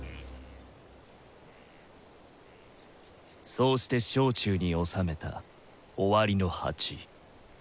そうして掌中に収めた「終わりの鉢」。